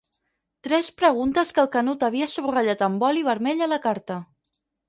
Tres preguntes que el Canut havia subratllat amb boli vermell a la carta.